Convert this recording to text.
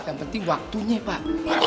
yang penting waktunya pak